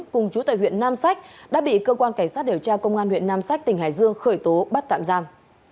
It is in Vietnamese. cùng chú tại huyện nam sách đã bị cơ quan cảnh sát điều tra công an huyện nam sách tỉnh hải dương khởi tố bắt tạm giam